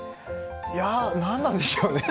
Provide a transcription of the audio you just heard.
いや、なんでしょうね。